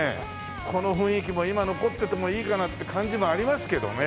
この雰囲気も今残っててもいいかなって感じもありますけどね。